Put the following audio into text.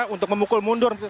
untuk memukul mundur